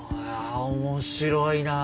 面白いな。